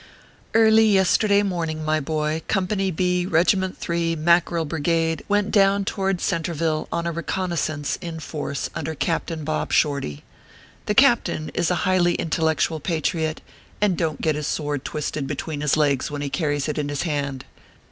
Early yesterday morning, my boy, Company B, Eegiment 3, Mackerel Brigade, went down toward Centreville on a reconnoissance in force under Captain Bob Shorty. The Captain is a highly intellectual patriot, and don t get his sword twisted between his legs when he carries it in his hand.